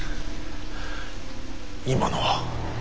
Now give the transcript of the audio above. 今のは。